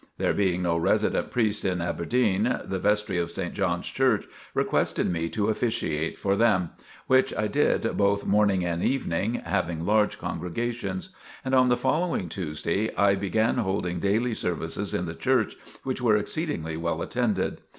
There being no resident priest in Aberdeen, the Vestry of St. John's Church requested me to officiate for them, which I did both morning and evening, having large congregations. And on the following Tuesday, I began holding daily services in the church, which were exceedingly well attended.